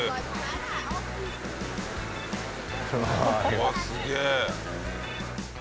うわっすげえ！